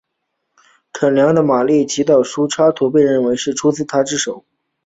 勃艮第的马丽的祈祷书插图被认为是出自他之手。